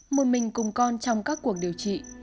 một mình cùng con trong các cuộc điều trị